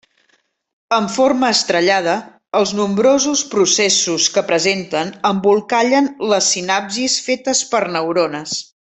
Amb forma estrellada, els nombrosos processos que presenten embolcallen les sinapsis fetes per neurones.